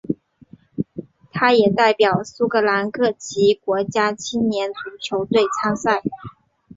他也代表苏格兰各级国家青年足球队参赛。